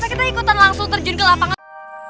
kita langsung terjun ke lapangan